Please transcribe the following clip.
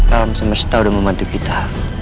alam semesta sudah membantu kita